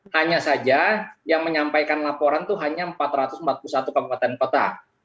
hanya saja yang menyampaikan laporan itu hanya empat ratus empat puluh satu kabupaten kota